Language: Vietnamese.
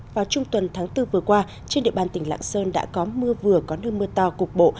vào trung tuần tháng bốn vừa qua trên địa bàn tỉnh lạng sơn đã có mưa vừa có nơi mưa to cục bộ